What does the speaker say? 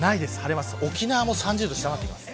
沖縄も３０度を下回ります。